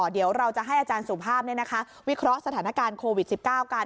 เดี๋ยวเราจะให้อาจารย์สุภาพวิเคราะห์สถานการณ์โควิด๑๙กัน